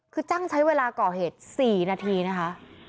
คือจ้างใช้เวลาก่อเหตุ๔นาทีนะคะ